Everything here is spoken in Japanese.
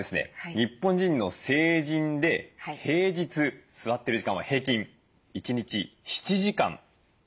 日本人の成人で平日座ってる時間は平均１日７時間なんだそうです。